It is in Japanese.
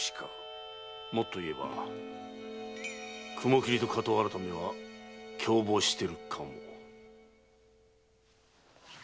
もっと言えば雲切と火盗改は共謀してるのかも。